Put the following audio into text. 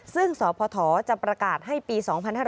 ซึ่งสพจะประกาศให้ปี๒๕๕๙